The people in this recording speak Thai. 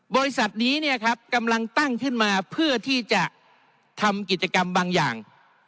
บริษัทนี้เนี่ยครับกำลังตั้งขึ้นมาเพื่อที่จะทำกิจกรรมบางอย่าง